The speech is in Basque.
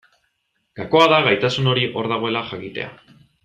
Gakoa da gaitasun hori hor dagoela jakitea.